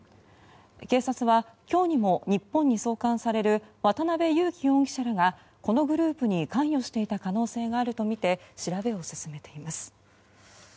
警察は今日にも日本に送還される渡邉優樹容疑者らがこのグループに関与していた可能性があるとみて調べを進めています。